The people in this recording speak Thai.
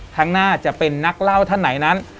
ข้างหน้าจะเป็นนักเล่าท่านไหนนั้น